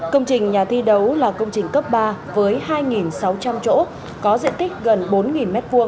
công trình nhà thi đấu là công trình cấp ba với hai sáu trăm linh chỗ có diện tích gần bốn m hai